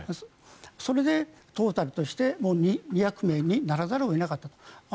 それでトータルとして２００名にならざるを得なかったと。